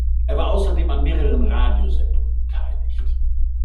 Er war außerdem an mehreren Radiosendungen beteiligt.